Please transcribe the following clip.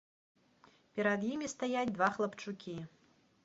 Перад імі стаяць два хлапчукі.